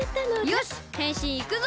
よしへんしんいくぞ！